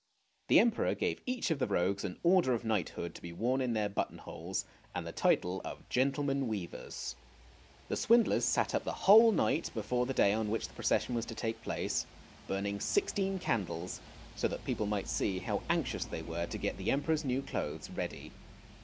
The Emperor gave each of the rogues an order of knighthood to be worn in their button holes and the title of " Gentlemen weavers." The swindlers sat up the whole night, before the day on which the procession was to take place, burning sixteen candles; so that people might see how anxious they were to get the Emperor's new clothes ready.